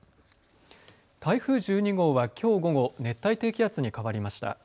台風１２号はきょう午後、熱帯低気圧に変わりました。